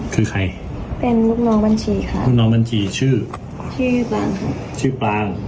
คือใครเป็นลูกน้องบัญชีครับชื่อชื่อปลางชื่อปลาง